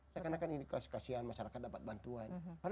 saya kena ini kasihan masyarakat dapat bantuan